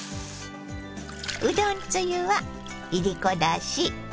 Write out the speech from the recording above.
うどんつゆはいりこだし